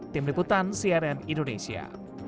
tim liputan cnn indonesia